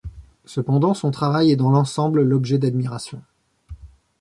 Cependant son travail est dans l'ensemble l'objet d'admiration.